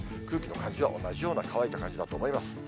空気の感じは同じような乾いた感じだと思います。